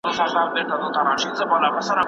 له اوښکو،